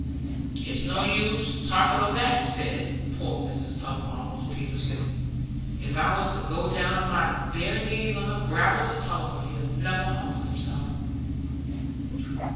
"It's no use talking o' that," said poor Mrs Tulliver, almost peevishly. "If I was to go down on my bare knees on the gravel to Tulliver, he'd never humble himself."